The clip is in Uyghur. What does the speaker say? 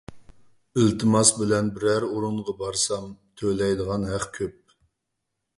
ئىلتىماس بىلەن بىرەر ئورۇنغا بارسام تۆلەيدىغان ھەق كۆپ.